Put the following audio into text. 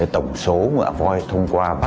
tổng số ngà voi thông qua